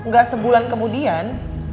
gak sebulan kemudian